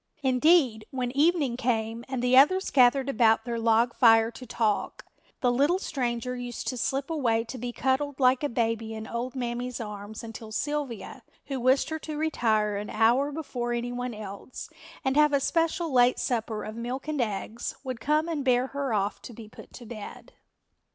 Indeed, when evening came and the others gathered about their log fire to talk, the little stranger used to slip away to be cuddled like a baby in old Mammy's arms until Sylvia, who wished her to retire an hour before any one else and have a special late supper of milk and eggs, would come and bear her off to be put to bed.